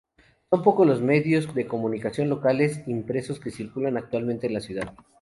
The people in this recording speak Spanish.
Son pocos los medios de comunicación locales impresos que circulan actualmente en la ciudad.